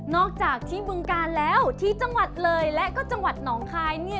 อกจากที่บึงกาลแล้วที่จังหวัดเลยและก็จังหวัดหนองคายเนี่ย